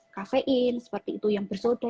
kafein seperti itu yang bersodo